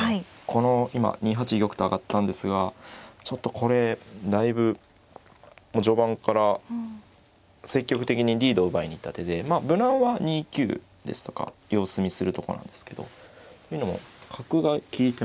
この今２八玉と上がったんですがちょっとこれだいぶ序盤から積極的にリードを奪いに行った手でまあ無難は２九ですとか様子見するとかなんですけど。というのも角が利いてますからね。